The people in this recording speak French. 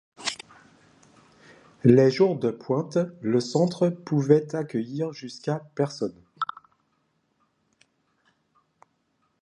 Les jours de pointe, le centre pouvait accueillir jusqu’à personnes.